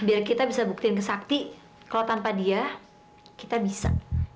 biar kita bisa buktiin ke sakti kalau tanpa dia kita bisa